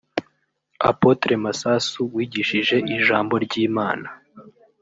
Apotre Masasu wigishije ijambo ry’Imana